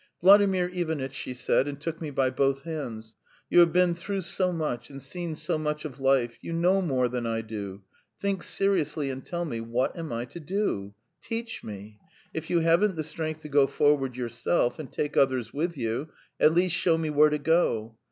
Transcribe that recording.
"Vladimir Ivanitch," she said, and took me by both hands, "you have been through so much and seen so much of life, you know more than I do; think seriously, and tell me, what am I to do? Teach me! If you haven't the strength to go forward yourself and take others with you, at least show me where to go.